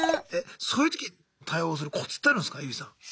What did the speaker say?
そういう時対応するコツってあるんすかユージさん。